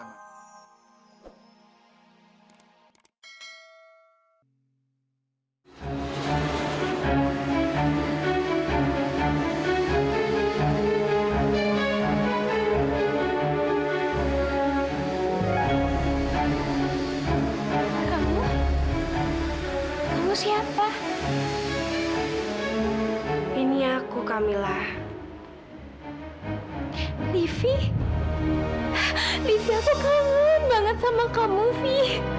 divi divi aku kangen banget sama kamu vi